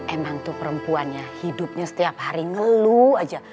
emang tuh perempuannya hidupnya setiap hari ngeluh aja